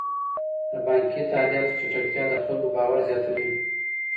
د بانکي تادیاتو چټکتیا د خلکو باور زیاتوي.